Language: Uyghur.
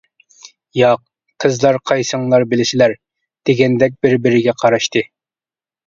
-ياق، -قىزلار قايسىڭلار بىلىسىلەر، دېگەندەك بىر-بىرىگە قاراشتى.